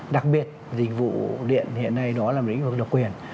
đặc biệt dịch vụ điện hiện nay đó là một lĩnh vực độc quyền